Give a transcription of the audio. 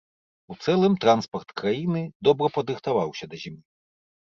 У цэлым транспарт краіны добра падрыхтаваўся да зімы.